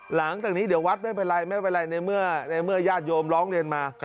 หลังจากนี้เดี๋ยววัดไม่เป็นไรไม่เป็นไรในเมื่อญาติโยมร้องเรียนมา